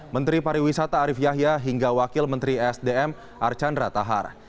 menteri pariwisata arief yahya hingga wakil menteri sdm archandra tahar